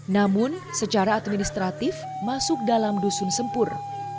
namun secara administratif masuk dalam dusun sempur